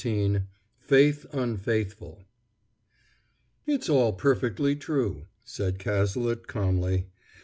XIV FAITH UNFAITHFUL "It's all perfectly true," said Cazalet calmly.